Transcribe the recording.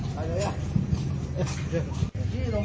เป็นแห่งอิสระ